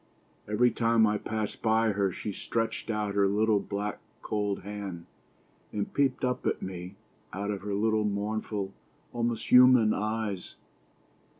Every time I passed by her she stretched out her little, black, cold hand, and peeped up at me out of her little mournful, almost human eyes.